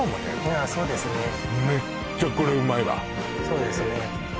そうですね